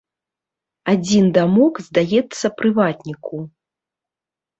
Адзін дамок здаецца прыватніку.